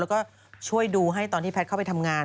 แล้วก็ช่วยดูให้ตอนที่แพทย์เข้าไปทำงาน